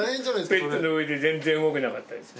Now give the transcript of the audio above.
ベッドの上で全然動けなかった。